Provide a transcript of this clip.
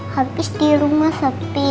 habis di rumah sepi